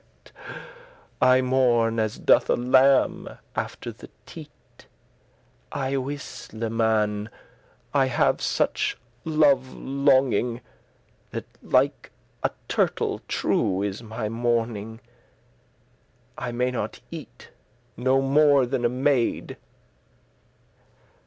*faint I mourn as doth a lamb after the teat Y wis*, leman, I have such love longing, *certainly That like a turtle* true is my mourning. *turtle dove I may not eat, no more than a maid."